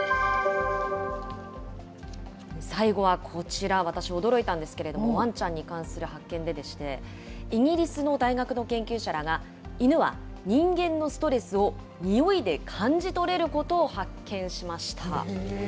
最後はこちら、私、驚いたんですけど、ワンちゃんに関する発見で、イギリスの大学の研究者らが、犬は人間のストレスをにおいで感じ取れることを発見しました。